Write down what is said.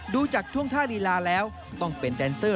ดูจากท่วงท่าลีลาแล้วต้องเป็นแดนเซอร์